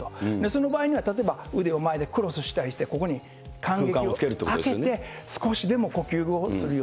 その場合には、例えば腕をクロスしたりして、ここに間隙をあけて、少しでも空間を空けると。